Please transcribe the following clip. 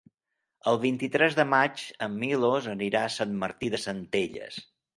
El vint-i-tres de maig en Milos anirà a Sant Martí de Centelles.